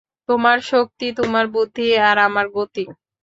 তোমার শক্তি, তোমার বুদ্ধি আর আমার গতি।